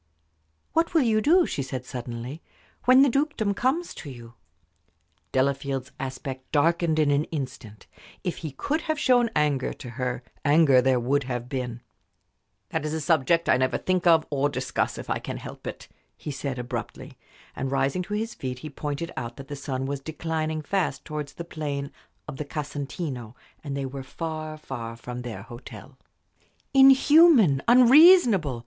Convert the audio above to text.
"What will you do," she said, suddenly, "when the dukedom comes to you?" Delafield's aspect darkened in an instant. If he could have shown anger to her, anger there would have been. "That is a subject I never think of or discuss, if I can help it," he said, abruptly; and, rising to his feet, he pointed out that the sun was declining fast towards the plain of the Casentino, and they were far from their hotel. "Inhuman! unreasonable!"